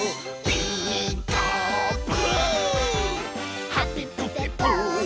「ピーカーブ！」